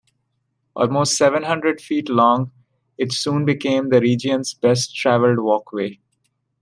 Almost seven hundred feet long, it soon became the region's best-travelled walkway.